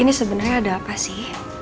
ini sebenarnya ada apa sih